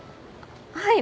はい。